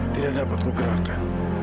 tidak dapat kugerahkan